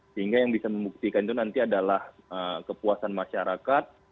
sehingga yang bisa membuktikan itu nanti adalah kepuasan masyarakat